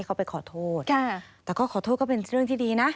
เขาไปขอโทษแต่ก็ขอโทษก็เป็นเรื่องที่ดีนะ